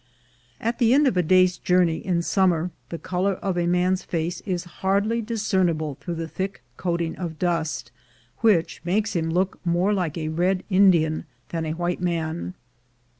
At the end of a day's journey in summer, the color of a man's face is hardly discernible through the thick coating of dust, which makes him look more like a red Indian than a white man.